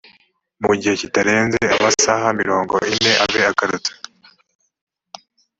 mu gihe kitarenze amasaha mirongo ine abe agarutse